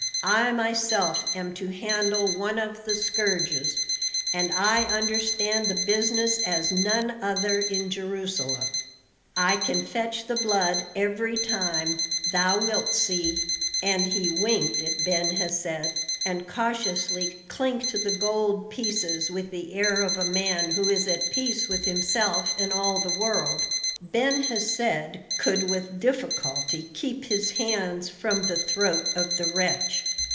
"I myself am to handle one of the scourges, and I understand the business as none other in Jerusalem. I can fetch the blood every time; thou wilt see." And he winked at Ben Hesed, and cautiously clinked the gold pieces with the air of a man who is at peace with himself and all the world. Ben Hesed could with difficulty keep his hands from the throat of the wretch.